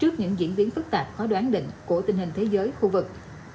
trước những diễn biến phức tạp khó đoán định của tình hình thế giới khu vực